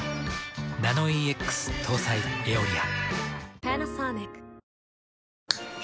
ナノイーＸ搭載「エオリア」。